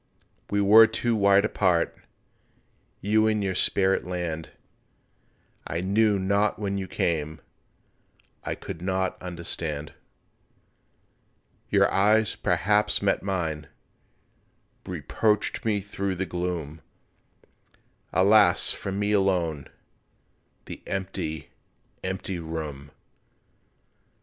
We were too wide apart— You in your spirit land— I knew not when you came, I could not understand. Your eyes perhaps met mine, Reproached me through the gloom, Alas, for me alone The empty, empty room!